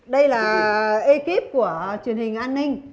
đây là ekip của truyền hình an ninh